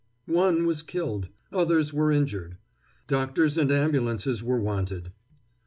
One was killed, others were injured. Doctors and ambulances were wanted.